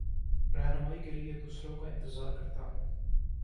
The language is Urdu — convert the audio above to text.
رہنمائ کے لیے دوسروں کا انتظار کرتا ہوں